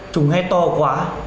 chúng hét to quá